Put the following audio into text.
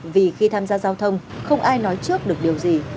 vì khi tham gia giao thông không ai nói trước được điều gì